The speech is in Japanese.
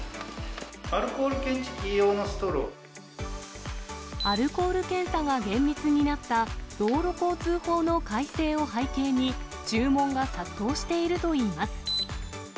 アルコール検知器用のストロアルコール検査が厳密になった道路交通法の改正を背景に、注文が殺到しているといいます。